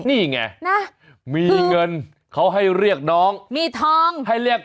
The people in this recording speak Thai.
นี่ไงมีเงินเขาให้เรียกน้อง